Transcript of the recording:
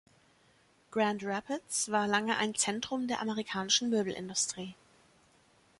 Grand Rapids war lange ein Zentrum der amerikanischen Möbelindustrie.